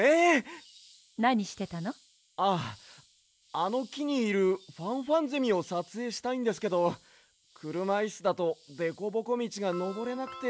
あのきにいるファンファンゼミをさつえいしたいんですけどくるまイスだとデコボコみちがのぼれなくて。